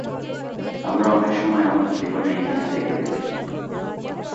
আমরা অনেক সময় আমাদের জীবনে ইহা দেখিতে পাই।